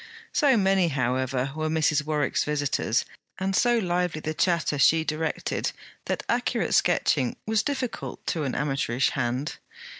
So many, however, were Mrs. Warwick's visitors, and so lively the chatter she directed, that accurate sketching was difficult to an amateurish hand.